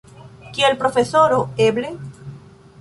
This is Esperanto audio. Kiel profesoro, eble?